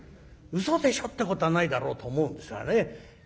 うそでしょってことはないだろうと思うんですがね。